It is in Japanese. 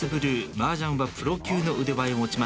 マージャンはプロ級の腕前を持ちます